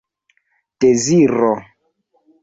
deziro